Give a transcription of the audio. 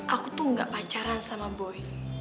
aku tuh gak pacaran sama boy